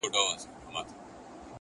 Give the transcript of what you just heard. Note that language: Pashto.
پرې کوي به یو د بل غاړي سرونه،